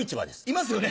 いますよね